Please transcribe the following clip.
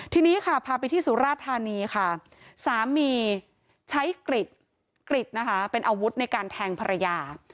ทีนี้ค่ะพาไปที่สุราธานีค่ะสามีใช้กริดนะคะเป็นอาวุธในการแทงภรรยา